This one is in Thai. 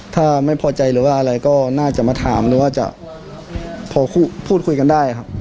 ถ้าไม่พอใจหรือว่าอะไรก็น่าจะมาถามหรือว่าจะพอพูดคุยกันได้ครับ